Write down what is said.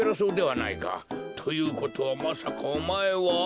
ということはまさかおまえは。